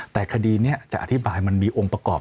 แต่คดีนี้จะอธิบายมันมีองค์ประกอบ